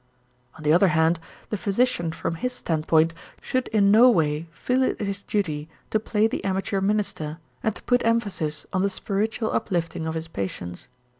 On the other hand, the physician from his standpoint should in no way feel it his duty to play the amateur minister and to put emphasis on the spiritual uplifting of his patients.